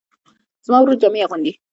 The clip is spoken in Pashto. زما ورور جامې اغوندي